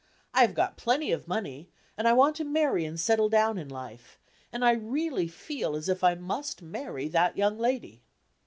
I have got plenty of money, and I want to marry and settle down in life, and I really feel as if I must marry that young lady."